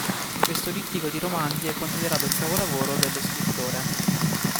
Questo dittico di romanzi è considerato il capolavoro dello scrittore.